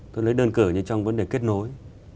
tôi lấy đơn cử như trong vấn đề kết nối